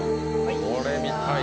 これ見たい。